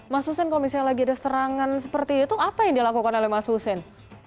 mas hussein kalau misalnya lagi ada serangan seperti itu apa yang dilakukan oleh mas hussein